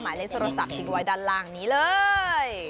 หมายเรื่องเป้าหมายรู้จักสรุปที่กลัวด้านล่างนี้เลย